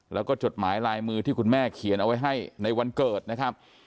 แล้วก็จดหมายลายมือที่คุณแม่เขียนเอาไว้ให้ในวันเกิดนะครับ